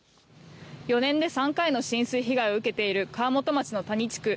４年で３回への浸水被害を受けている川本町の谷地区。